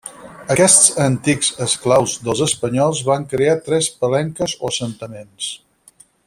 Aquests antics esclaus dels espanyols van crear tres palenques o assentaments.